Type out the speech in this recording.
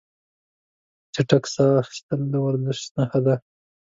چټک ساه اخیستل د ورزش نښه ده.